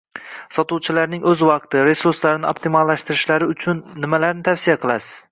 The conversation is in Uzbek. Sotuvchilarning oʻz vaqti, resurslarini optimallashtirishlari uchun nimalarni tavsiya qilasiz